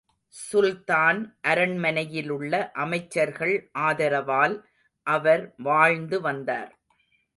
சுல்தான் அரண்மனையிலுள்ள அமைச்சர்கள் ஆதரவால் அவர் வாழ்ந்து வந்தார்.